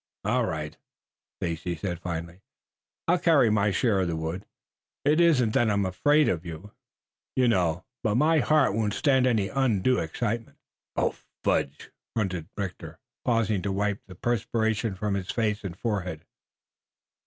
"All right," said Stacy finally. "I'll carry my share of the wood. It isn't that I am afraid of you, you know, but my heart won't stand any undue excitement." "Oh, fudge!" grunted Rector, pausing to wipe the perspiration from his face and forehead.